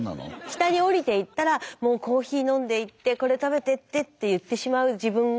下におりていったらもう「コーヒー飲んでいってこれ食べてって」って言ってしまう自分が。